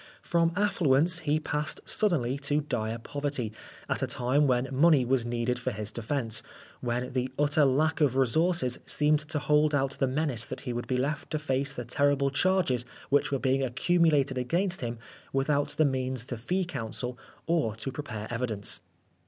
From affluence he passed suddenly to dire poverty at a time when money was needed for his defence, when the utter lack of resources seemed to hold out the menace that he would be left to face the terrible charges which were being accumulated against him without the means to fee counsel or to prepare evidence.